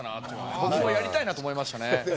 僕もやりたいなと思いましたね。